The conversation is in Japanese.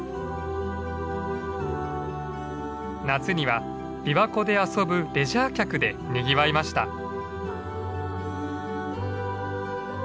夏には琵琶湖で遊ぶレジャー客でにぎわいました。